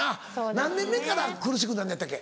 何年目から苦しくなんのやったっけ？